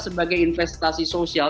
sebagai investasi sosial